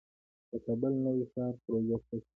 د کابل نوی ښار پروژه څه شوه؟